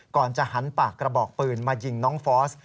ก่อนจะหันปากกระบอกปืนมายิงน้องฟอส